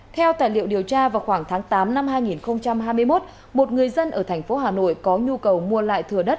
theo tài liệu điều tra vào khoảng tháng tám năm hai nghìn hai mươi một một người dân ở thành phố hà nội có nhu cầu mua lại thừa đất